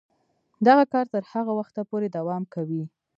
دغه کار تر هغه وخته پورې دوام کوي.